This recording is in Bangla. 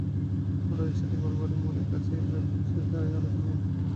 অটোরিকশাটি গোয়ালবাড়ি মোড়ের কাছে এলে অটোরিকশার চাকায় আরেফিনের ওড়না পেঁচিয়ে যায়।